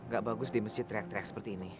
gak bagus di masjid teriak teriak seperti ini